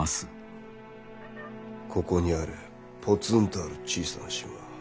ここにあるぽつんとある小さな島